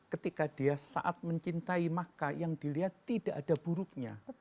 ketika dia saat mencintai maka yang dilihat tidak ada buruknya